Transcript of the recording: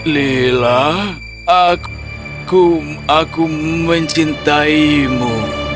lila aku mencintaimu